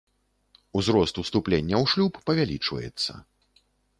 Узрост уступлення ў шлюб павялічваецца.